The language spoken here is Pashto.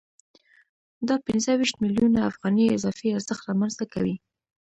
دا پنځه ویشت میلیونه افغانۍ اضافي ارزښت رامنځته کوي